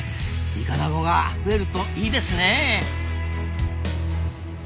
イカナゴが増えるといいですねえ。